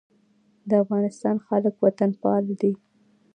د افغانستان خلک وطنپال دي